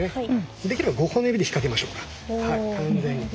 できれば５本の指でひっかけましょうか完全に。